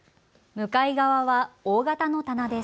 向かい側はＯ型の棚です。